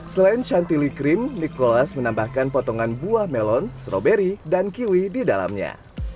selain chantilly cream nicholas menambahkan potongan buah melon strawberry dan kiwi di dalamnya